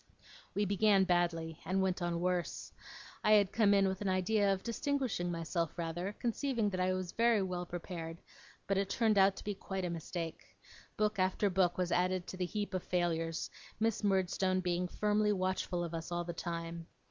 We began badly, and went on worse. I had come in with an idea of distinguishing myself rather, conceiving that I was very well prepared; but it turned out to be quite a mistake. Book after book was added to the heap of failures, Miss Murdstone being firmly watchful of us all the time.